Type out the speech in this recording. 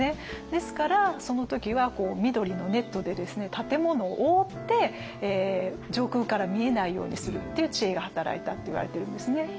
ですからその時は緑のネットで建物を覆って上空から見えないようにするっていう知恵が働いたっていわれてるんですね。